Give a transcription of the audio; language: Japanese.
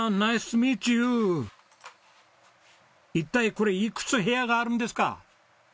一体これいくつ部屋があるんですか？